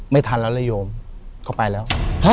ไม่ทันแล้วระโยมเข้าไปแล้ว